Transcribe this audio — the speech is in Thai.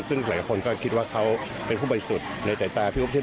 ซึ่งหลายคนก็คิดว่าเขาเป็นผู้ใบสุดในใจตายพี่ปุ๊บเชศ